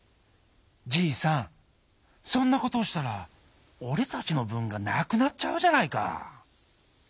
じいさんそんなことをしたらおれたちのぶんがなくなっちゃうじゃないか」。